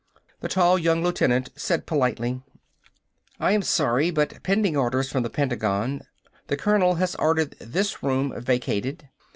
The tall young lieutenant said politely: "I am sorry, but pending orders from the Pentagon the colonel has ordered this room vacated.